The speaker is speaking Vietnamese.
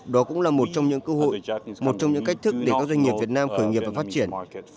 đó cũng là một trong những cơ hội một trong những cách thức để các doanh nghiệp việt nam khởi nghiệp và phát triển